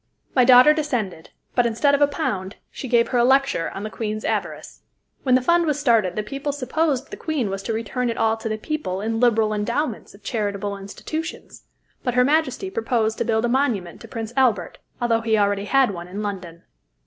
My daughter descended; but, instead of a pound, she gave her a lecture on the Queen's avarice. When the fund was started the people supposed the Queen was to return it all to the people in liberal endowments of charitable institutions, but her Majesty proposed to build a monument to Prince Albert, although he already had one in London.